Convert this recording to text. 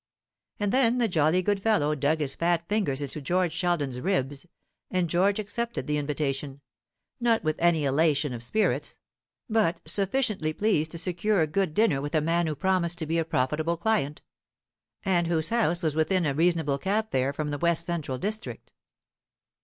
And then the jolly good fellow dug his fat fingers into George Sheldon's ribs, and George accepted the invitation; not with any elation of spirits, but sufficiently pleased to secure a good dinner with a man who promised to be a profitable client, and whose house was within a reasonable cab fare from the west central district.